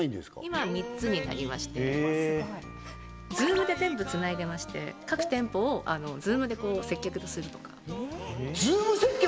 今は３つになりましてＺｏｏｍで全部つないでまして各店舗をＺｏｏｍでこう接客するとかＺｏｏｍ接客！？